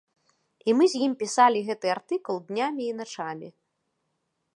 І мы з ім пісалі гэты артыкул днямі і начамі.